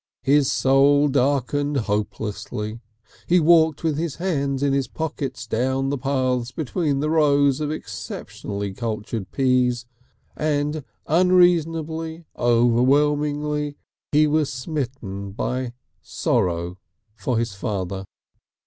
His soul darkened hopelessly. He walked with his hands in his pockets down the path between the rows of exceptionally cultured peas and unreasonably, overwhelmingly, he was smitten by sorrow for his father.